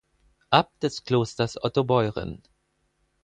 Abt des Klosters Ottobeuren.